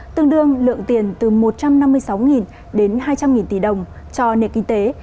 tương đương lượng tiền từ một trăm năm mươi sáu đến hai trăm linh tỷ đồng cho nền kinh tế